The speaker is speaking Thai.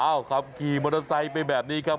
เอ้าครับกี่มอเตอร์ไซค์ไปแบบนี้ครับ